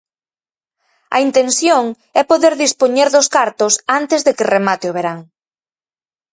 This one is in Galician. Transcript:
A intención é poder dispoñer dos cartos antes de que remate o verán.